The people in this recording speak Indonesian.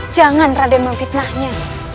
jangan raden memfitnahnya